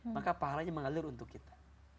maka pahalanya mengalir untuk kita